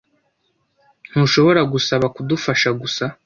Ntushobora gusaba kudufasha gusa?